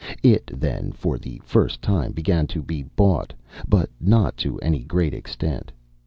It then, for the first time, began to be bought; but not to any great extent.